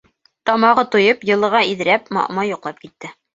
Тамағы туйып, йылыға иҙрәп, маъмай йоҡлап китте.